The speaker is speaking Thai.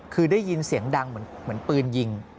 คือได้ยินเสียงดังเหมือนปืนยิง